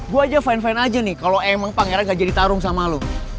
gue aja fine fine aja nih kalau emang pangeran gak jadi tarung sama lo